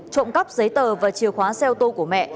trộm cắp giấy tờ và chìa khóa xe ô tô của mẹ